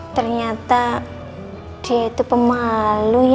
ternyata dia itu pemalu